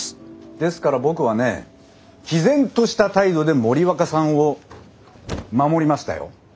ですから僕はねきぜんとした態度で森若さんを守りましたよ。